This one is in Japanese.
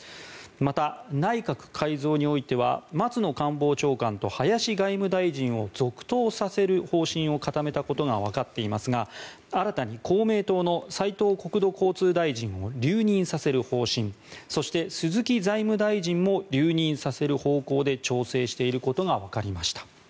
また、内閣改造においては松野官房長官と林外務大臣を続投させる方針を固めたことがわかっていますが新たに公明党の斉藤国土交通大臣を留任させる方針そして、鈴木財務大臣も留任させる方向で調整していることがわかりました。